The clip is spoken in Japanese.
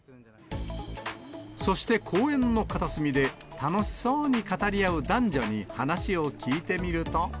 そして公園の片隅で、楽しそうに語り合う男女に、話を聞いてみると。